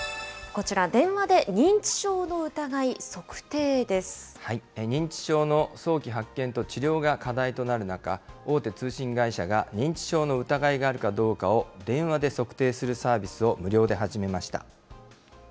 こちら、電話で認知症の疑い測定認知症の早期発見と治療が課題となる中、大手通信会社が、認知症の疑いがあるかどうかを電話で測定するサービスを無料で始めました。